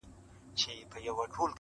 او په تصوير كي مي_